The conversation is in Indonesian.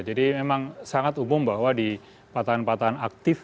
jadi memang sangat umum bahwa di patahan patahan aktif